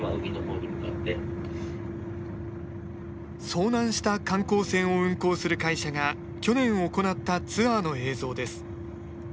遭難した観光船を運航する会社が去年行ったツアーの映像です。